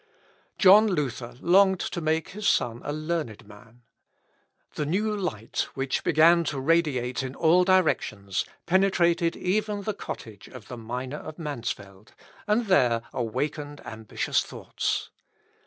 John Luther longed to make his son a learned man. The new light, which began to radiate in all directions, penetrated even the cottage of the miner of Mansfield, and there awakened ambitious thoughts.